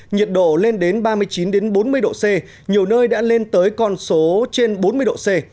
nhiệt độ lên đến ba mươi chín bốn mươi độ c nhiều nơi đã lên tới con số trên bốn mươi độ c